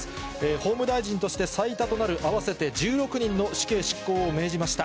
法務大臣として最多となる、合わせて１６人の死刑執行を命じました。